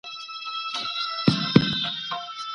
زه قوي یم.